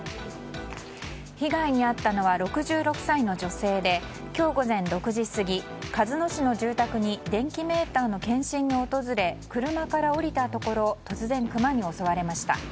被害に遭ったのは６６歳の女性で今日午前６時過ぎ鹿角市の住宅に電気メーターの検針に訪れ車から降りたところ突然クマに襲われました。